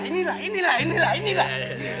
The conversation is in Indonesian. ini lah ini lah ini lah ini lah